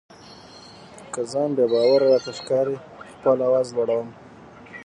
که ځان بې باوره راته ښکاري خپل آواز لوړوم.